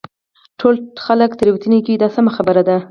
ټول خلک تېروتنې کوي دا سمه خبره ده.